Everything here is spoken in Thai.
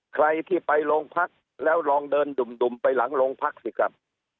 ใครที่ไปโรงพักแล้วลองเดินดุ่มไปหลังโรงพักสิครับ